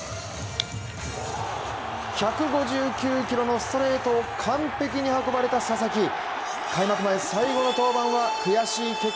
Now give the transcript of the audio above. １５９キロのストレートを完璧に運ばれた佐々木。